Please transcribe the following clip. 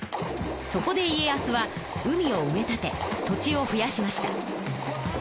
そこで家康は海を埋め立て土地を増やしました。